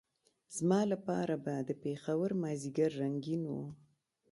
زما لپاره به د پېښور مازدیګر رنګین وو.